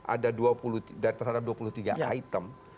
ada terhadap dua puluh tiga item